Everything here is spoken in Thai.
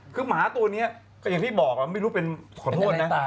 คือหมาตัวนี้ก็อย่างที่บอกไม่รู้เป็นขอโทษนะ